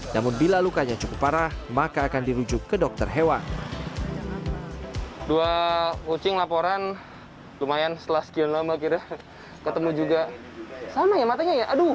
namun bila lukanya cukup parah maka akan dirujuk ke dokter hewan